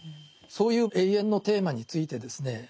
そういう永遠のテーマについてですね